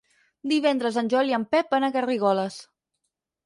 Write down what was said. Divendres en Joel i en Pep van a Garrigoles.